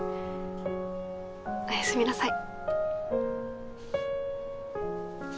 おやすみなさい。